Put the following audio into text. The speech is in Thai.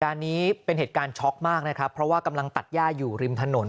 การนี้เป็นเหตุการณ์ช็อกมากนะครับเพราะว่ากำลังตัดย่าอยู่ริมถนน